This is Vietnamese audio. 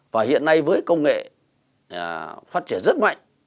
và hiện nay với công nghệ phát triển rất mạnh